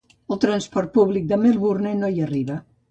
El transport públic de Melbourne no hi arriba.